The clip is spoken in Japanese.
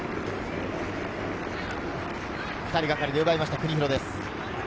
２人がかりで奪いました国広です。